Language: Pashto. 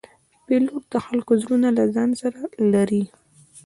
پیلوټ د خلکو زړونه له ځان سره لري.